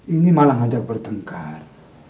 ini malah ngajak bertengkar